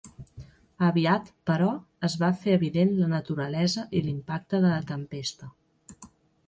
Aviat, però, es va fer evident la naturalesa i l'impacte de la tempesta.